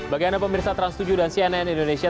bagi anda pemirsa trans tujuh dan cnn indonesia